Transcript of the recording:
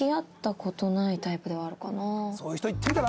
そういう人いってみたら？